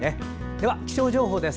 では気象情報です。